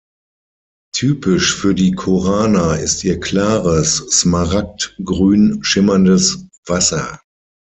Typisch für die Korana ist ihr klares, smaragdgrün schimmerndes Wasser.